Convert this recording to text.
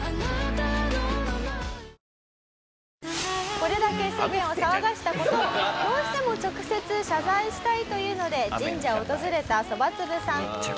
これだけ世間を騒がせた事をどうしても直接謝罪したいというので神社を訪れたそばつぶさん。